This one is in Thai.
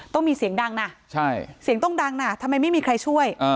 ต้องมีเสียงดังนะเสียงต้องดังนะทำไมไม่มีใครช่วย